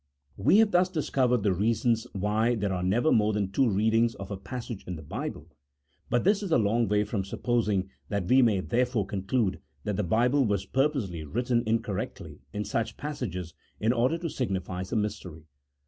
We have thus discovered the reasons why there are never more than two readings of a passage in the Bible, but this is a long way from supposing that we may therefore con clude that the Bible was purposely written incorrectly in such passages in order to signify some mystery.